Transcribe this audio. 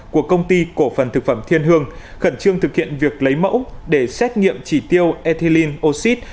của công ty cổ phần thực phẩm thiên hương khẩn trương thực hiện việc lấy mẫu để xét nghiệm chỉ tiêu ethilin oxyd